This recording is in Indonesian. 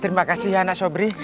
terima kasih anak sobri